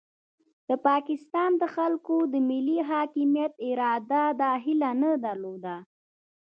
د پاکستان د خلکو د ملي حاکمیت اراده دا هیله نه درلوده.